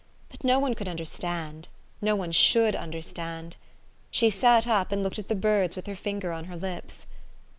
But no one could understand : no one should under stand. She sat up, and looked at the birds with her finger on her lips.